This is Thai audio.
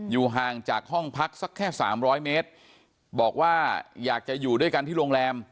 ห่างจากห้องพักสักแค่สามร้อยเมตรบอกว่าอยากจะอยู่ด้วยกันที่โรงแรม